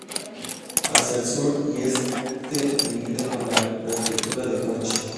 Hacia el sur y este limita con la Prefectura de Kochi.